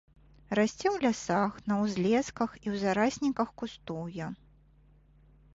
Расце ў лясах, на ўзлесках і ў зарасніках кустоўя.